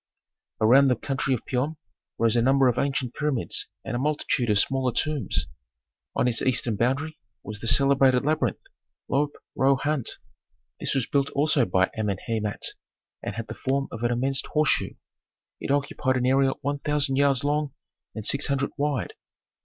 Around the country of Piom rose a number of ancient pyramids and a multitude of smaller tombs. On its eastern boundary was the celebrated Labyrinth (Lope rohunt). This was built also by Amenhemat and had the form of an immense horseshoe. It occupied an area one thousand yards long and six hundred wide.